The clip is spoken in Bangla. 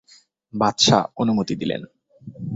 বাদশাহ অনুমতি দিলেন।